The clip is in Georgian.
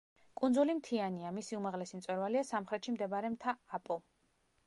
კუნძული მთიანია, მისი უმაღლესი მწვერვალია სამხრეთში მდებარე მთა აპო.